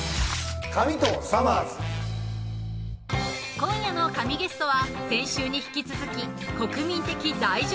今夜の紙ゲストは先週に引き続き国民的大女優。